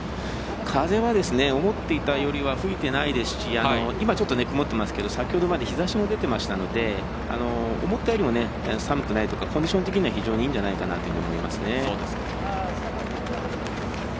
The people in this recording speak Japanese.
風は思っていたよりは吹いていないですし今、曇っていますけど先ほどまで日ざしも出てましたので思ったよりも、寒くないというかコンディション的には非常にいいんじゃないかなと思いますね。